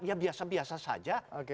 ya biasa biasa saja